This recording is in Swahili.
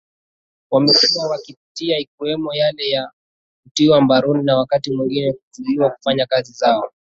wamekuwa wakipitia ikiwemo yale ya kutiwa mbaroni na wakati mwingine kuzuiwa kufanya kazi zao